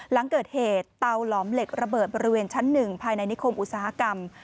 หลังเกิดเหตุเตาหลอมเหล็กระเบิดบริเวณชั้น๑ภายในนิคมอุตสาหกรรม